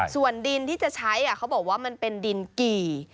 ส่วนดินที่จะใช้เขาบอกว่ามันเป็นดินกี่